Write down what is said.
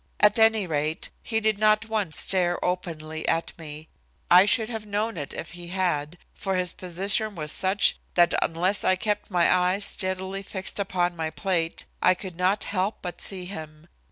At any rate, he did not once stare openly at me. I should have known it if he had, for his position was such that unless I kept my eyes steadily fixed upon my plate, I could not help but see him.